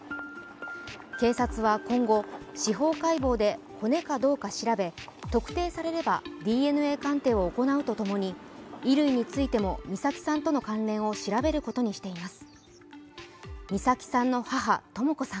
警察は今後、司法解剖で骨かどうか調べ特定されればＤＮＡ鑑定を行うとともに衣類についても美咲さんとの関連を調べることにしています。